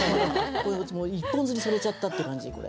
もう一本釣りされちゃったって感じこれ。